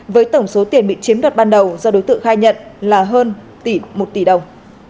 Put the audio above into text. với tổng số tiền bị chiếm đoạt ban đầu do đối tượng khai nhận là hơn một tỷ đồng